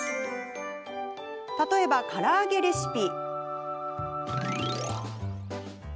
例えば、から揚げレシピ。